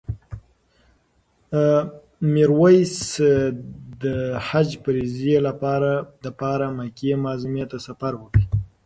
میرویس د حج د فریضې لپاره مکې معظمې ته سفر وکړ.